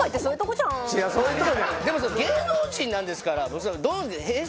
でもさ芸能人なんですから。